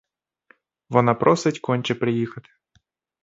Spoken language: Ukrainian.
Вона просить конче приїхати.